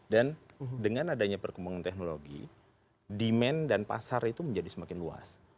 dan dengan adanya perkembangan teknologi demand dan pasar itu menjadi semakin luas